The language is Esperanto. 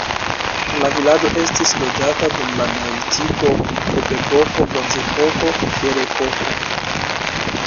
La vilaĝo estis loĝata dum la neolitiko, kuprepoko, bronzepoko, ferepoko.